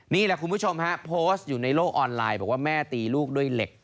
นี่แหละคุณผู้ชมฮะโพสต์อยู่ในโลกออนไลน์บอกว่าแม่ตีลูกด้วยเหล็ก